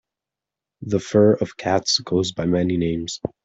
The fur of cats goes by many names.